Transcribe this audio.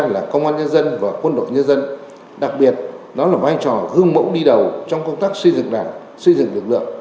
là công an nhân dân và quân đội nhân dân đặc biệt nó là vai trò gương mẫu đi đầu trong công tác xây dựng đảng xây dựng lực lượng